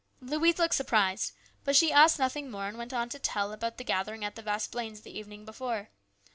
Louise looked surprised, but she asked nothing more, and went on to tell about the gathering at the Vasplaines' the evening before.